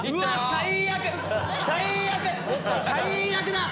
最悪だ！